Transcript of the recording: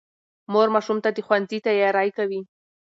مور ماشوم ته د ښوونځي تیاری کوي